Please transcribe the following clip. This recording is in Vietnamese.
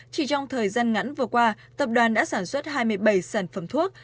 chỉ trong thời gian ngắn vừa qua tập đoàn đã sản xuất hai mươi bảy sản phẩm thuốc